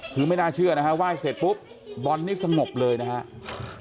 คือไม่น่าเชื่อนะฮะไหว้เสร็จปุ๊บบอลนี่สงบเลยนะครับ